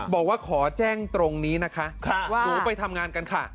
บอกว่าขอแจ้งตรงนี้นะคะว่าหนูไปทำงานกันค่ะ